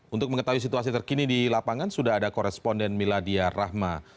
untuk mengetahui situasi terkini di lapangan sudah ada koresponden miladia rahma